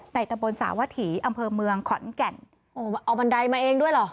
ตะบนสาวถีอำเภอเมืองขอนแก่นโอ้เอาบันไดมาเองด้วยเหรอ